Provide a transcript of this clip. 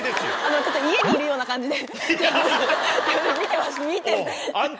ちょっと家にいるような感じで、見てました。